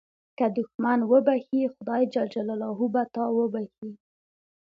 که دوښمن وبخښې، خدای جل جلاله به تا وبخښي.